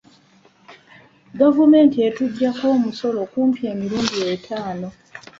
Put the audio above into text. Gavumenti etuggyako omusolo kumpi emirundi etaano.